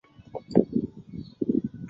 这就是休养生息的政策。